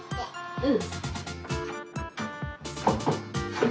うん。